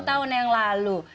sepuluh tahun yang lalu